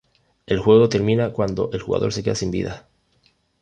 El juego termina cuando el jugador se queda sin vidas.